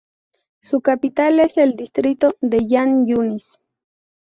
Su capital es el distrito de Jan Yunis.